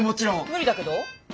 無理だけど。